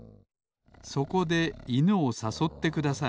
そこでいぬをさそってください